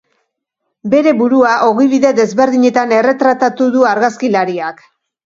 Bere burua ogibide desberdinetan erretratatu du argazkilariak.